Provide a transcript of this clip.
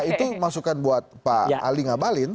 itu masukan buat pak ali ngabalin